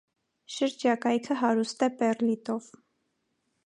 Շրջակայքը հարուստ է պեռլիտով։